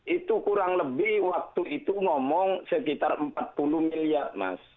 itu kurang lebih waktu itu ngomong sekitar empat puluh miliar mas